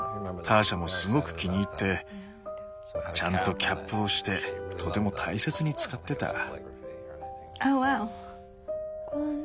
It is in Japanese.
ターシャもすごく気に入ってちゃんとキャップをしてとても大切に使ってた。